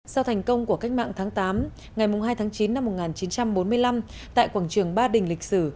sau thành công của cách mạng tháng tám ngày hai tháng chín năm một nghìn chín trăm bốn mươi năm tại quảng trường ba đình lịch sử